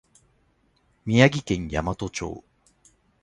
宮城県大和町